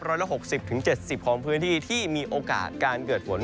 ร้อยละ๖๐๗๐ของพื้นที่ที่มีโอกาสการเกิดฝน